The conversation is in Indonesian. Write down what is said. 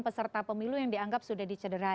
peserta pemilu yang di anggap sudah dicederai